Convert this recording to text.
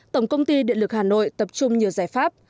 tổng công ty điện lực hà nội tập trung nhiều giải pháp